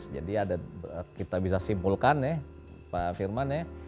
jadi ada kita bisa simpulkan ya pak firman ya